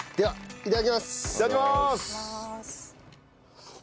いただきます。